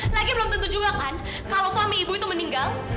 lagi belum tentu juga kan kalau suami ibu itu meninggal